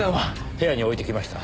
部屋に置いてきました。